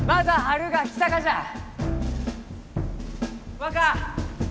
若！